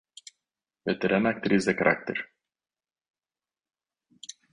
Veterana actriz de carácter.